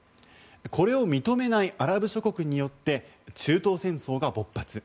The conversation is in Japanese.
これを認めないアラブ諸国によって中東戦争が勃発。